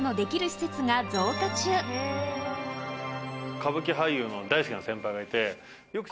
歌舞伎俳優の大好きな先輩がいて。